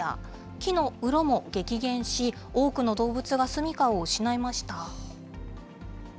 木のうろも激減し、多くの動物が住みかを失いました。